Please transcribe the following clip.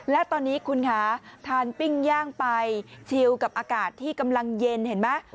และตอนนี้คุณคะทานปิ้งย่างไปชิลกับอากาศที่กำลังเย็นเห็นไหม